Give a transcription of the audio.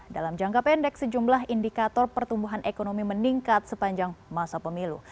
dalam jangka pendek sejumlah indikator pertumbuhan ekonomi meningkat sepanjang masa pemilu